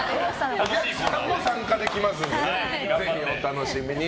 皆さんも参加できますのでお楽しみに。